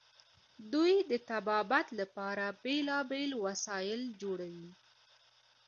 دوی د طبابت لپاره بیلابیل وسایل جوړوي.